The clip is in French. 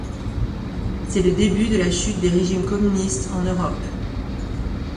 C'est le début de la chute des régimes communistes en Europe.